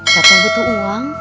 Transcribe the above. saking butuh uang